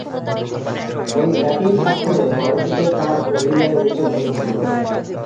ঐ একই সফরে করাচীতে তার ওডিআই অভিষেক ঘটেছিল।